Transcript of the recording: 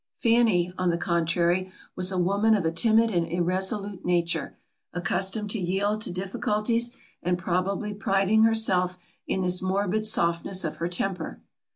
Fanny, on the contrary, was a woman of a timid and irresolute nature, accustomed to yield to difficulties, and probably priding herself in this morbid softness of her temper.